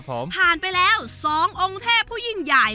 ผ่านไปแล้ว๒องค์เทพผู้ยิ่งใหญ่